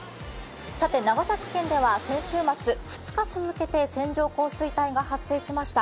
さて、長崎県では先週末、２日続けて線状降水帯が発生しました。